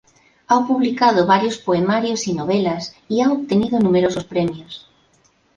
Ha publicado varios poemarios y novelas, y ha obtenido numerosos premios.